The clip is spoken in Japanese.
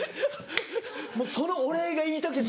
そのお礼が言いたくて。